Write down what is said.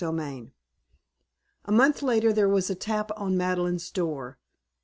XXXVIII A month later there was a tap on Madeleine's door.